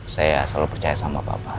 saya selalu percaya sama bapak